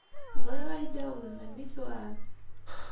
Bɣiɣ ad iyi-d-tɛawdem melmi tuɛam.